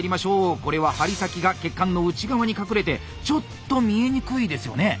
これは針先が血管の内側に隠れてちょっと見えにくいですよね。